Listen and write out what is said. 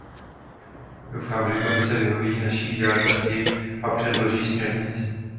Doufám, že Komise vyhoví naší žádosti a předloží směrnici.